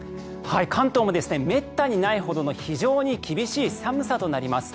関東もめったにないほどの非常に厳しい寒さとなります。